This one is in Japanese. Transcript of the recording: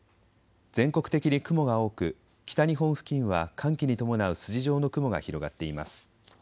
全国的に雲が多く北日本付近は寒気に伴う筋状の雲が広がっています。